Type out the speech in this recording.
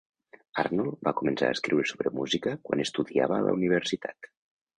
Arnold va començar a escriure sobre música quan estudiava a la universitat.